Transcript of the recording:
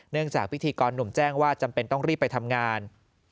จากพิธีกรหนุ่มแจ้งว่าจำเป็นต้องรีบไปทำงาน